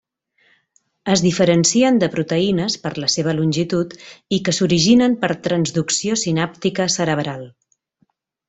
Es diferencien de proteïnes per la seva longitud, i que s'originen per transducció sinàptica cerebral.